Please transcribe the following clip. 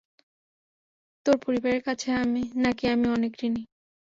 তোর পরিবারের কাছে নাকি আমি অনেক ঋণী।